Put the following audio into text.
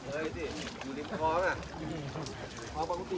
สวัสดีครับทุกคน